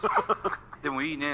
でもいいね。